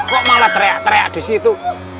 kok malah teriak teriak di situ